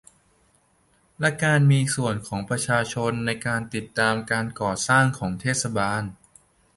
และการมีส่วนของประชาชนในการติดตามการก่อสร้างของเทศบาล